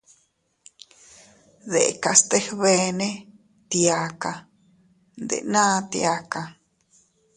Dekas teg beene, tiaka, ndena tiaka.